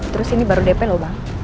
terus ini baru dp loh bang